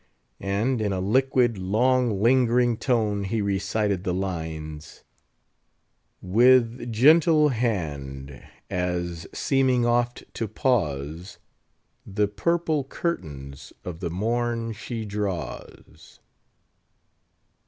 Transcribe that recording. And, in a liquid, long lingering tone, he recited the lines, "With gentle hand, as seeming oft to pause, The purple curtains of the morn she draws."